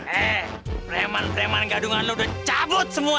eh preman preman gadungan lo udah cabut semua